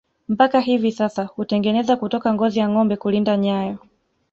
Mpaka hivi sasa hutengeneza kutoka ngozi ya ngombe kulinda nyayo